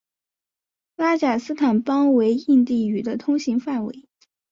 拉贾斯坦邦为印地语的通行范围。